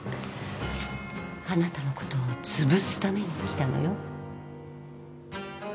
あなたのことを潰すために来たのよ。